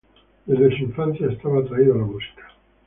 Desde su infancia estaba atraído a la música.